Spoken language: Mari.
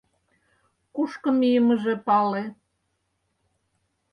Кушко мийымыже пале.